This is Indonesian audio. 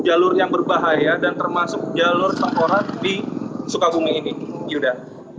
jalur yang berbahaya dan termasuk jalur pengorat di sukabumi ini yuda